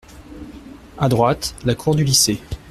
A droite, la cour du lycée.